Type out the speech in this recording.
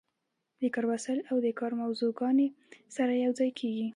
د کار وسایل او د کار موضوعګانې سره یوځای کیږي.